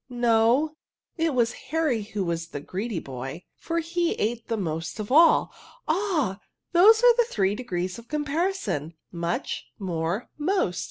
" No ; it was Harry who was the greedy boy ; for he ate the most of all. Ah ! those are the three degrees of comparison,— much, more, most.